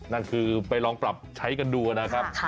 นั่นคือไปลองปรับใช้กันดูนะครับ